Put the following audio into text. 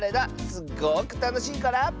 すごくたのしいから。